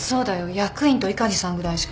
役員と碇さんぐらいしか。